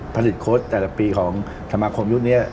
ผลิตโค้ดแต่ละปีของสมาคมยุคนี้